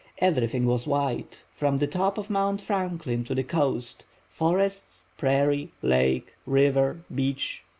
Everything was white, from the top of Mount Franklin to the coast—forests, prairie, lake, river, beach.